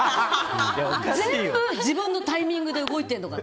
全部自分のタイミングで動いてるのか。